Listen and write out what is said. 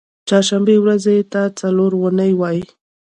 چهارشنبې ورځی ته څلور نۍ وایی